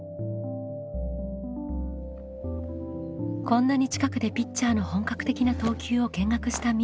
こんなに近くでピッチャーの本格的な投球を見学したみ